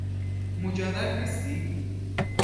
مجرد هستی؟